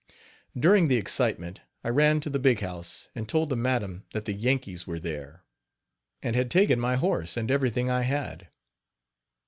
" During the excitement I ran to the big house, and told the madam that the Yankees were there, and had taken my horse and everything I had.